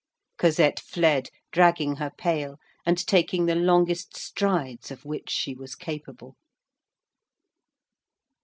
Cosette fled, dragging her pail, and taking the longest strides of which she was capable.